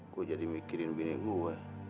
gue jadi mikirin binik gue